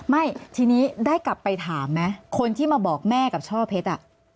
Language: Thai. ไม่ทีนี้ได้กลับไปถามไหมคนที่มาบอกแม่กับช่อเพชร